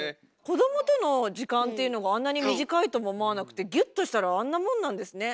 子どもとの時間っていうのがあんなに短いとも思わなくてギュッとしたらあんなもんなんですね。